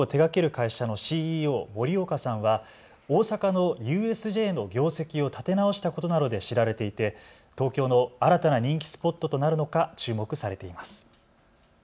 会社のＣＥＯ、森岡さんは大阪のＵＳＪの業績を立て直したことなどで知られていて東京の新たな人気スポットとなるのか注目されています。